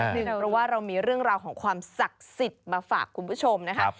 เพราะว่าเรามีเรื่องราวของความศักดิ์สิทธิ์มาฝากคุณผู้ชมนะคะ